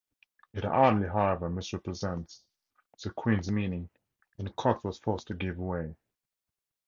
It hardly, however, misrepresents the Queen's meaning, and Cox was forced to give way.